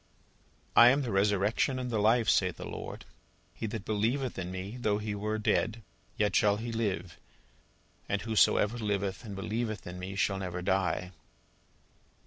"I am the Resurrection and the Life, saith the Lord: he that believeth in me, though he were dead, yet shall he live: and whosoever liveth and believeth in me shall never die."